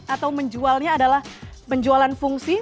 atau menjualnya adalah penjualan fungsi